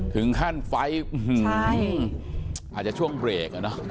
ถึงขั้นไฟอาจจะช่วงเบรก